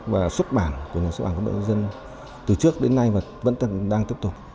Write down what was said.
và xuất bản của nhà xuất bản của bộ nhân dân từ trước đến nay vẫn đang tiếp tục